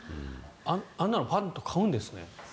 あんなのパンと買うんですね。